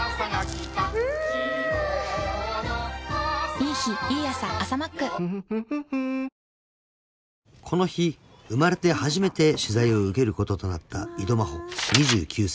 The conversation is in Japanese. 糖質ゼロ［この日生まれて初めて取材を受けることとなった井戸真帆２９歳］